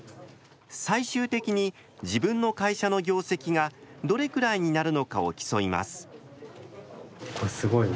最終的に自分の会社の業績がどれくらいになるのかを競います。